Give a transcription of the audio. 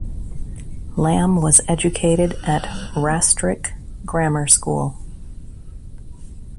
Lamb was educated at Rastrick Grammar School.